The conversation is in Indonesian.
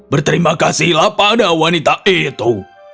berterima kasihlah pada wanita itu